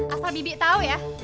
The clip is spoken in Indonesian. asal bibi tau ya